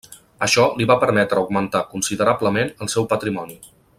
Això li va permetre augmentar considerablement el seu patrimoni.